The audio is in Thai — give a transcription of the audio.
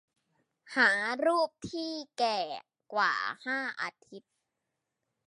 หารูปที่แก่กว่าห้าอาทิตย์